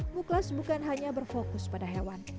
muklas bukan hanya berfokus pada hewan